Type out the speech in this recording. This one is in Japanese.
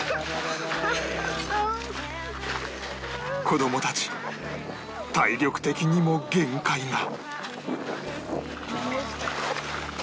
子どもたち体力的にも限界が